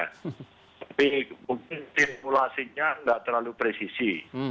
tapi mungkin simulasinya tidak terlalu presisi